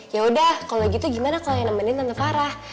yaudah kalau gitu gimana kalau nge temenin tante farah